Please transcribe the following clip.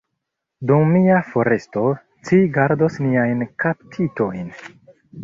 Dum mia foresto, ci gardos niajn kaptitojn.